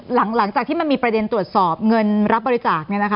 หลังจากที่มันมีประเด็นตรวจสอบเงินรับบริจาค